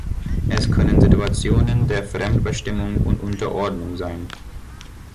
Es können Situationen der Fremdbestimmung und Unterordnung sein.